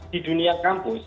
di dunia kampus